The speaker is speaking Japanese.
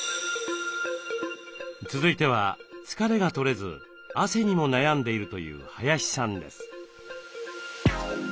続いては疲れが取れず汗にも悩んでいるという林さんです。